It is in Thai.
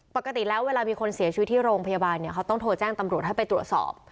ปกติแล้วเวลามีคนเสียชีวิตที่โรงพยาบาลเนี่ยเขาต้องโทรแจ้งตำรวจให้ไปตรวจสอบ